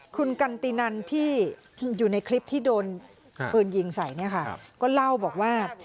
คุณกันตินันที่อยู่ในคลิปที่โดนปืนยิงใส่เนี่ยค่ะก็เล่าบอกว่า